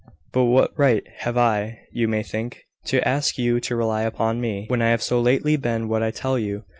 But what right have I, you may think, to ask you to rely upon me, when I have so lately been what I tell you.